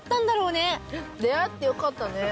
出合ってよかったね。